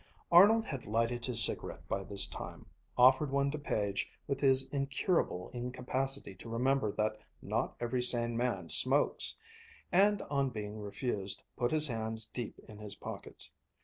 Arnold had lighted his cigarette by this time, offered one to Page with his incurable incapacity to remember that not every sane man smokes, and on being refused, put his hands deep in his pockets.